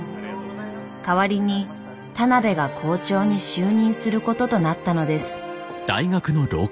代わりに田邊が校長に就任することとなったのです。